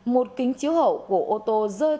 một kính chiếu hậu của ô tô rơi